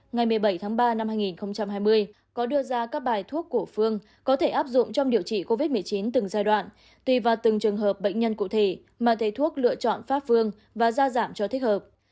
ngày một mươi bảy tháng ba năm hai nghìn hai mươi có đưa ra các bài thuốc của phương có thể áp dụng trong điều trị covid một mươi chín từng giai đoạn tùy vào từng trường hợp bệnh nhân cụ thể mà thầy thuốc lựa chọn pháp phương và ra giảm cho thích hợp